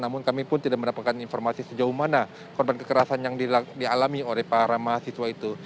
namun kami pun tidak mendapatkan informasi sejauh mana korban kekerasan yang dialami oleh para mahasiswa itu